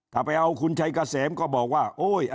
ถ้าไปกับคุณชัยกะแสมก็บอกว่า